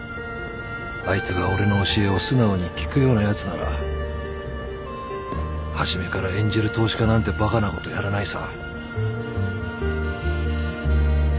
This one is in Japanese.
あいつが俺の教えを素直に聞くようなやつなら初めからエンジェル投資家なんてバカなことやらないさ。